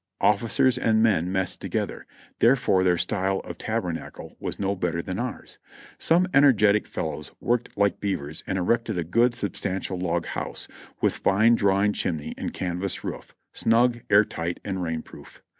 Officers and men messed together, therefore their style of tabernacle was no better than ours. Some energetic fellows worked like beavers and erected a good, substantial log house, with fine drawing chimney and canvas roof, snug, air tight and rain proof.